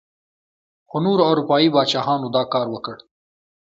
خو نورو اروپايي پاچاهانو دا کار وکړ.